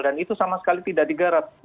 dan itu sama sekali tidak digarat